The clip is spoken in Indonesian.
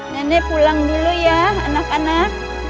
nenek pulang dulu ya anak anak